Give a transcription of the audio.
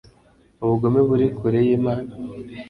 ubugome buri kure y'imana